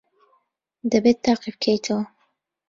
دەبێت تاقی بکەیتەوە.